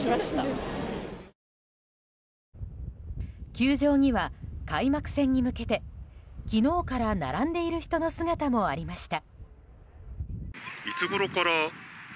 球場には開幕戦に向けて昨日から並んでいる人の姿もありました。